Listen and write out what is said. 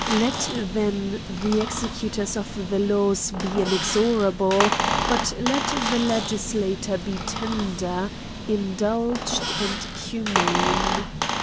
Let, then, the executors of the laws be inexorable, but let the legislator be tender, indulgent, and hu mane.